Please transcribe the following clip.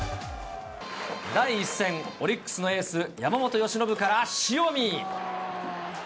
第１戦、オリックスのエース、山本由伸から塩見。